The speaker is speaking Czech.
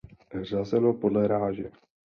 Řazeno podle ráže.